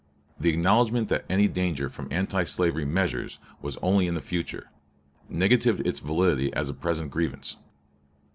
The acknowledgment that any danger from anti slavery "measures" was only in the future, negatived its validity as a present grievance.